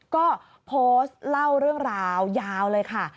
ก็โพสต์เล่าเรื่องราวยาวเลยค่ะ